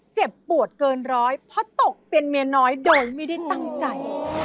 เจ็บปวดเกินร้อยเพราะตกเป็นเมียน้อยโดยไม่ได้ตั้งใจ